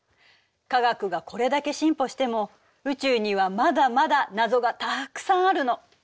科学がこれだけ進歩しても宇宙にはまだまだ謎がたくさんあるの。